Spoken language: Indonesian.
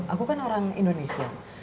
aku kan orang indonesia